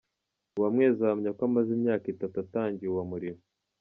Uwamwezi ahamya ko amaze imyaka itatu atangiye uwo murimo.